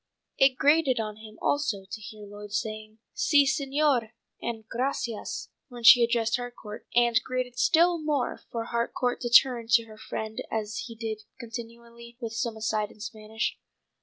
It grated on him also to hear Lloyd saying, "Si, señor" and "gracias" when she addressed Harcourt, and grated still more for Harcourt to turn to her as he did continually with some aside in Spanish.